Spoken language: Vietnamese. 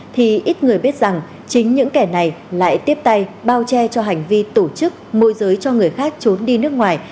thì ít người biết rằng chính những kẻ này lại tiếp tay bao che cho hành vi tổ chức môi giới cho người khác trốn đi nước ngoài